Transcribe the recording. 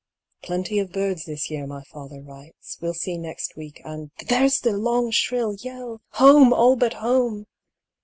Plenty of birds this year, my father writes ; we'll see next week, and There's the long shrill yell ! Home ! all but home